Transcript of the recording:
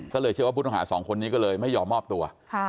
ก็เลยเชื่อว่าผู้ต้องหาสองคนนี้ก็เลยไม่ยอมมอบตัว